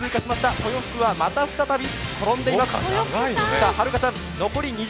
豊福はまた再び転んでいます。